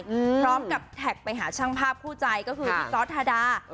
พร้อมกับแท็กไปหาช่างภาพคู่ใจก็คือพี่จอร์ดฮาดา